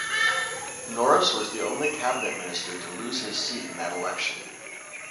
Norris was the only cabinet minister to lose his seat in that election.